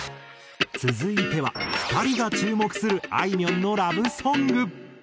続いては２人が注目するあいみょんのラブソング。